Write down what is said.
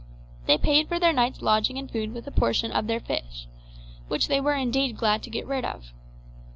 They paid for their night's lodging and food with a portion of their fish, which they were indeed glad to get rid of.